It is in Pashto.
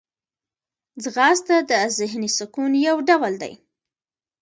ځغاسته د ذهني سکون یو ډول دی